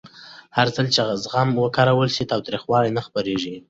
هرځل چې زغم وکارول شي، تاوتریخوالی نه خپرېږي.